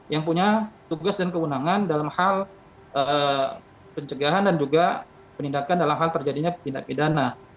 yang punya tugas dan kewenangan dalam hal pencegahan dan juga penindakan dalam hal terjadinya tindak pidana